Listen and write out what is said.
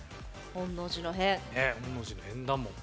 「本能寺の変」だもん。